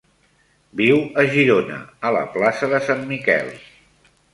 Viu a Girona, a la plaça de Sant Miquel.